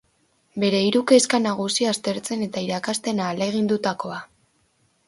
Bere hiru kezka nagusi aztertzen eta irakasten ahalegindutakoa.